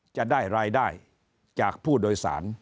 จะได้รายได้จากผู้โดยสาร